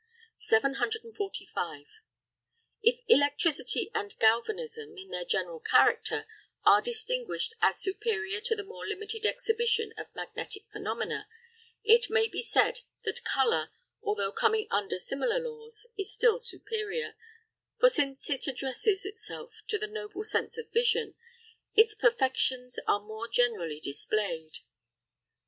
745. If electricity and galvanism, in their general character, are distinguished as superior to the more limited exhibition of magnetic phenomena, it may be said that colour, although coming under similar laws, is still superior; for since it addresses itself to the noble sense of vision, its perfections are more generally displayed.